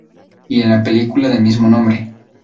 Y en la película de mismo nombre.